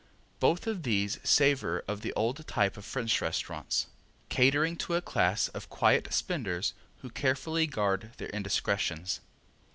Both of these savor of the old type of French restaurants, catering to a class of quiet spenders who carefully guard their indiscretions.